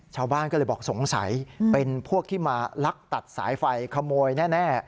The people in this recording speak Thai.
ชาวบ้านก็เลยบอกสงสัยเป็นพวกที่มาลักตัดสายไฟขโมยแน่